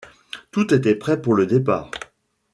Tout était prêt pour le départ.